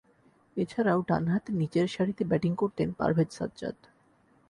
এছাড়াও, ডানহাতে নিচেরসারিতে ব্যাটিং করতেন পারভেজ সাজ্জাদ।